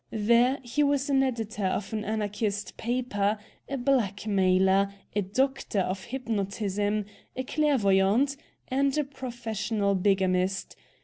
There he was an editor of an anarchist paper, a blackmailer, a 'doctor' of hypnotism, a clairvoyant, and a professional bigamist.